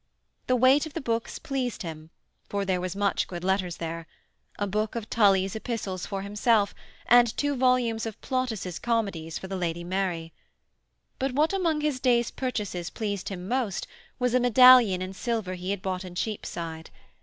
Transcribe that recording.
The weight of the books pleased him for there was much good letters there a book of Tully's epistles for himself and two volumes of Plautus' comedies for the Lady Mary. But what among his day's purchases pleased him most was a medallion in silver he had bought in Cheapside.